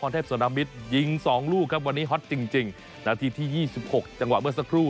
เทพสนามิตรยิงสองลูกครับวันนี้ฮอตจริงจริงนาทีที่๒๖จังหวะเมื่อสักครู่